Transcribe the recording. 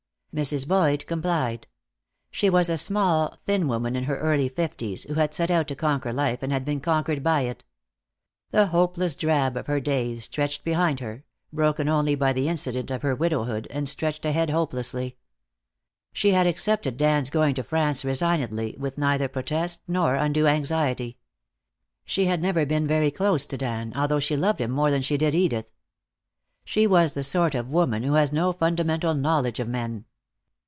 Mrs. Boyd complied. She was a small, thin woman in her early fifties, who had set out to conquer life and had been conquered by it. The hopeless drab of her days stretched behind her, broken only by the incident of her widowhood, and stretched ahead hopelessly. She had accepted Dan's going to France resignedly, with neither protest nor undue anxiety. She had never been very close to Dan, although she loved him more than she did Edith. She was the sort of woman who has no fundamental knowledge of men.